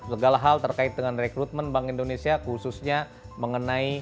segala hal terkait dengan rekrutmen bank indonesia khususnya mengenai